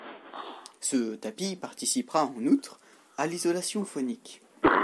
Ce tapis participera en outre à l'isolation phonique.